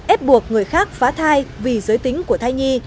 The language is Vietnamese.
ép buộc người khác phá thai vì giới tính của thai nhi